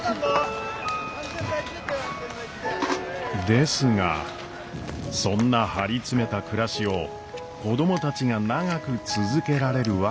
ですがそんな張り詰めた暮らしを子供たちが長く続けられるわけはなく。